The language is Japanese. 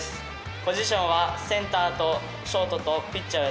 ポジションはセンターとショートとピッチャーをやっています。